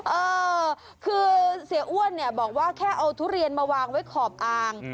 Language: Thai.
เออคือเสียอ้วนเนี่ยบอกว่าแค่เอาทุเรียนมาวางไว้ขอบอ่าง